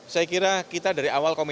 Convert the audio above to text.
saya kira kita dari awal